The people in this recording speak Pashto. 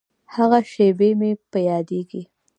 هغه شېبې مې په یادیږي.